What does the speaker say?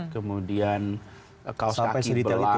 kemudian kaos kaki berubah